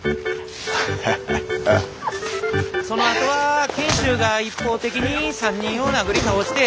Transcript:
そのあとは賢秀が一方的に３人を殴り倒して。